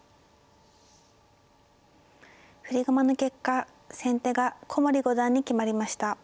振り駒の結果先手が古森五段に決まりました。